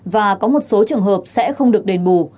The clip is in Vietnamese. và có một số trường hợp sẽ không được đền bù